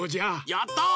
やった！